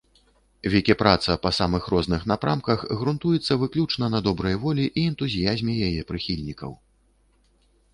Вікіпраца па самых розных напрамках грунтуецца выключна на добрай волі і энтузіязме яе прыхільнікаў.